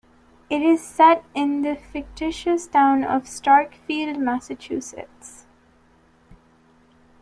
It is set in the fictitious town of Starkfield, Massachusetts.